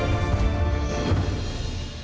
โปรดติดตามตอนต่อไป